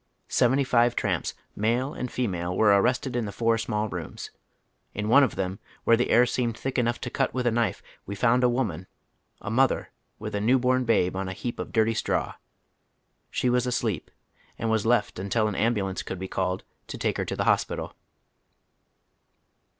Seventy five tramps, Jiialo and fomale, were arrested in the four email rooms. In one of them, where the air seemed thick enough to cut with a knife, we found a woman, a mother with a new born babe on a heap of dirty straw. She was asleep and was left until an ambulance could be called to take her to the hospital.